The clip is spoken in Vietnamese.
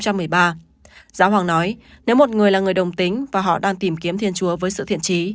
giáo hoàng nói nếu một người là người đồng tính và họ đang tìm kiếm thiên chúa với sự thiện trí